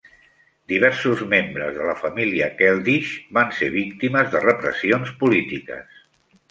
Diversos membres de la família Keldysh van ser víctimes de repressions polítiques.